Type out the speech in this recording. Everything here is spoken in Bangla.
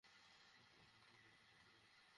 তুই সবসময় রেডিওতে হুইসেল দিস।